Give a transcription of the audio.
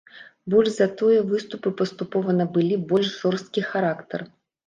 Больш за тое, выступы паступова набылі больш жорсткі характар.